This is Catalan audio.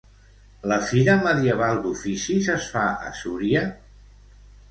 La "Fira Medieval d'Oficis" es fa a Súria?